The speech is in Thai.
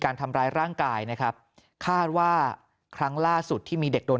การทำร้ายร่างกายนะครับคาดว่าครั้งล่าสุดที่มีเด็กโดน